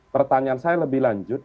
pertanyaan saya lebih lanjut